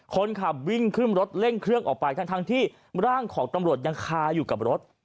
คนขับวิ่งขึ้นรถเร่งเครื่องออกไปทั้งที่ร่างของตำรวจยังคาอยู่กับรถ